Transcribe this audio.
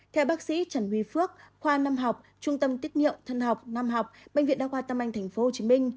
theo bác sĩ trần huy phước khoa năm học trung tâm tiết nhựa thân học năm học bệnh viện đa khoa tâm anh tp hcm